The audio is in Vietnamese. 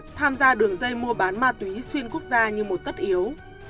cường đã ra đường dây mua bán ma túy xuyên quốc gia như một tất yếu